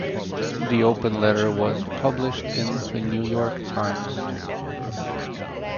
The Open Letter was published in The New York Times.